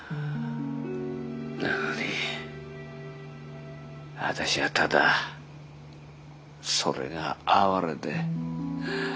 なのに私はただそれが哀れで。